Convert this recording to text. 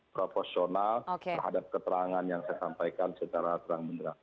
profesional terhadap keterangan yang saya sampaikan secara terang benar